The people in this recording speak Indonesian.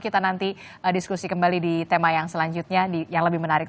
kita nanti diskusi kembali di tema yang selanjutnya yang lebih menarik